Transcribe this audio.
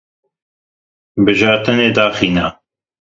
Bijartinê daxîne.